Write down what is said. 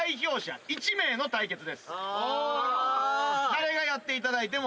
誰がやっていただいても。